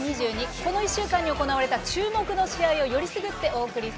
この１週間に行われた注目の試合をよりすぐってお送りします。